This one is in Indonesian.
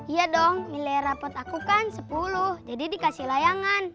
iya dong nilai rapot aku kan sepuluh jadi dikasih layangan